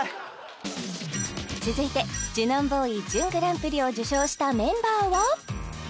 続いてジュノンボーイ準グランプリを受賞したメンバーは？